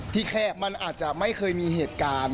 แค่มันอาจจะไม่เคยมีเหตุการณ์